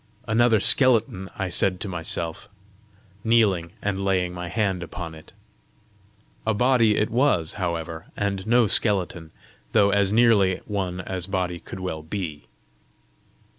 "Another skeleton!" I said to myself, kneeling and laying my hand upon it. A body it was, however, and no skeleton, though as nearly one as body could well be.